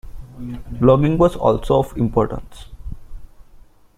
Logging was also of importance.